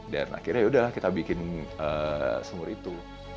dan akhirnya yaudah kita bikin sumur itu